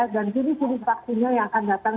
dan sini sini vaksinnya yang akan datang